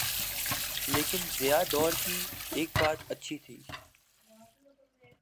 لیکن ضیاء دور کی ایک بات اچھی تھی۔